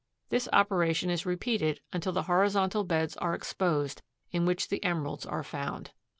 This operation is repeated until the horizontal beds are exposed in which the emeralds are found."